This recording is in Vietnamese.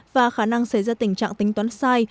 và khả năng xảy ra tình trạng tính toán sai